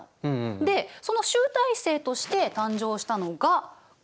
でその集大成として誕生したのがこれなんだけど。